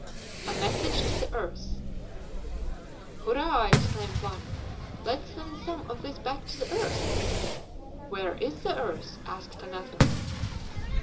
A Message to the Earth. "Hurrah!" exclaimed one. "Let's send some of this back to the earth." "Where is the earth?" asked another.